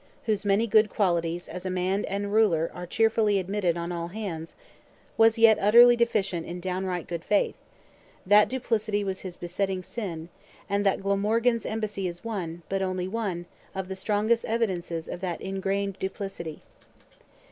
whose many good qualities as a man and a ruler are cheerfully admitted on all hands, was yet utterly deficient in downright good faith; that duplicity was his besetting sin; and that Glamorgan's embassy is one, but only one, of the strongest evidences of that ingrained duplicity.